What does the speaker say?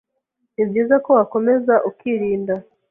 ni byiza ko wakomeza ukirinda